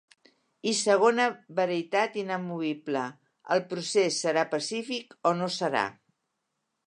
I segona veritat inamovible: el procés serà pacífic o no serà.